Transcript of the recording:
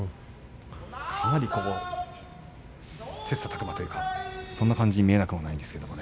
かなり切さたく磨というかそんな感じに見えないこともありますね。